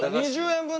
２０円分。